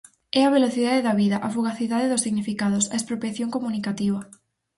É a velocidade da vida, a fugacidade dos significados, a expropiación comunicativa.